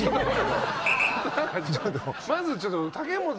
まずちょっと。